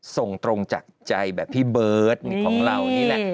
ส่งตรงจากใจแบบพี่เบิร์ตของเรานี่แหละ